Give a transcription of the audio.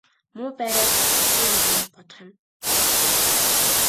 Муу байраа л алдчихгүй юмсан гэж бодох юм.